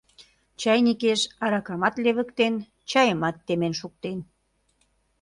Чайникеш аракамат левыктен, чайымат темен шуктен.